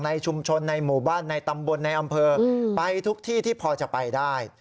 ในชุมชนในหมู่บ้านในตำบลในอำเภอไปทุกที่ที่พอจะไปได้